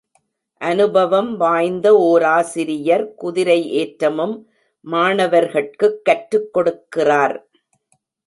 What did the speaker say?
அனுபவம் வாய்ந்த ஓராசிரியர் குதிரை ஏற்றமும் மாணவர்கட்குக் கற்றுக்கொடுக்கிறார்.